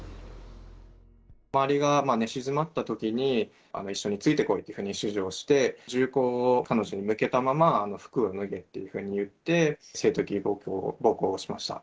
周りが寝静まったときに、一緒について来いというふうに指示をして、銃口を彼女に向けたまま、服を脱げっていうふうに言って、性的暴行をしました。